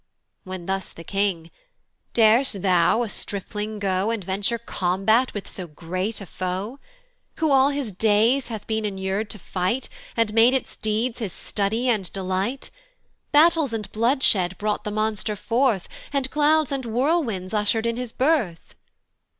When thus the king: "Dar'st thou a stripling go, "And venture combat with so great a foe? "Who all his days has been inur'd to fight, "And made its deeds his study and delight: "Battles and bloodshed brought the monster forth, "And clouds and whirlwinds usher'd in his birth."